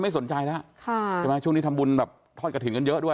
ไม่สนใจแล้วใช่ไหมช่วงนี้ทำบุญแบบทอดกระถิ่นกันเยอะด้วย